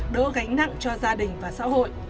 đỡ gánh nặng cho gia đình và xã hội